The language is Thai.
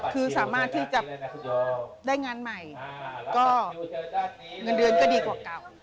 คือสามารถที่จะได้งานใหม่ก็เงินเดือนก็ดีกว่าเก่า